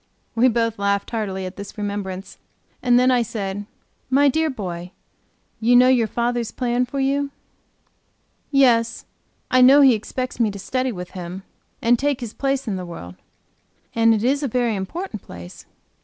We both laughed heartily at this remembrance, and then I said: "My dear boy, you know your fathers plan for you?" "Yes, I know he expects me to study with him, and take his place in the world." "And it is a very important place."